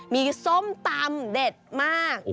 มีส้มตำเด็ดมาก